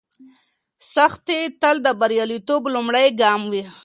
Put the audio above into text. سختي تل د بریالیتوب لومړی ګام وي.